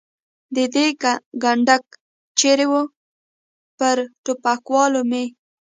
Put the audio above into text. د ده کنډک چېرې و؟ پر ټوپکوالو مې.